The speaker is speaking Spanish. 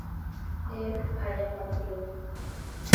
él haya partido